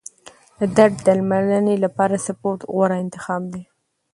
د درد درملنې لپاره سپورت غوره انتخاب دی.